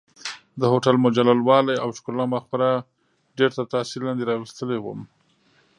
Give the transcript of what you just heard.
د هوټل مجلل والي او ښکلا ما خورا ډېر تر تاثیر لاندې راوستلی وم.